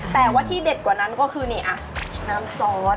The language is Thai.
แต่ว่าที่เด็ดกว่านั้นก็คือนี่น้ำซอส